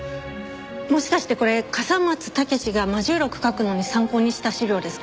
もしかしてこれ笠松剛史が『魔銃録』を書くのに参考にした資料ですか？